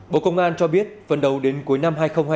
bộ công an cho biết phần đầu đến cuối năm hai nghìn hai mươi